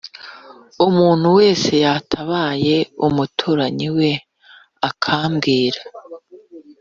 umuntu wese yatabaye umuturanyi we akabwira